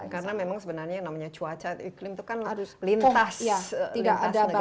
karena memang sebenarnya cuaca dan iklim itu kan lintas negara